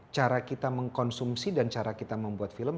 cara kita mengkonsumsi dan cara kita membuat film